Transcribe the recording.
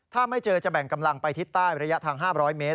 ถ้าไม่เจอจะแบ่งกำลังไปทิศใต้ระยะทาง๕๐๐เมตร